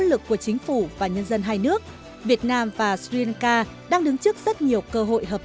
lực của chính phủ và nhân dân hai nước việt nam và sri lanka đang đứng trước rất nhiều cơ hội hợp